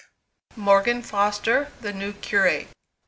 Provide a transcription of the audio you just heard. MORGAN FOSTER, THE NEW CURATE.